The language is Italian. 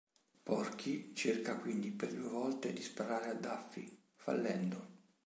Porky cerca quindi per due volte di sparare a Daffy, fallendo.